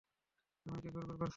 এমনি ঘুরঘুর করছে ও।